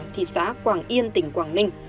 thị xã quảng yên tỉnh quảng ninh